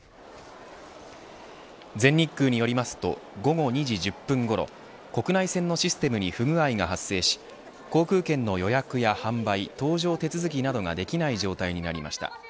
全日空によりますと午後２時１０分ごろ国内線のシステムに不具合が発生し航空券の予約や販売搭乗手続きなどができない状態となりました。